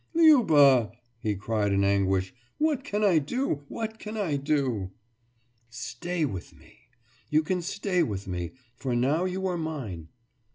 »Liuba,« he cried in anguish, »what can I do? What can I do?« »Stay with me. You can stay with me, for now you are mine.